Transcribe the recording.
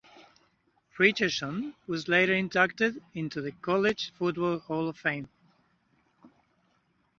Richardson was later inducted into the College Football Hall of Fame.